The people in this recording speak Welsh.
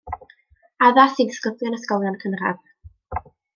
Addas i ddisgyblion ysgolion cynradd.